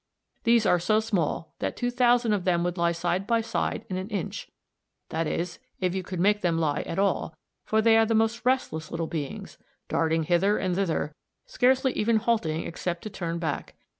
These are so small that 2000 of them would lie side by side in an inch; that is, if you could make them lie at all, for they are the most restless little beings, darting hither and thither, scarcely even halting except to turn back.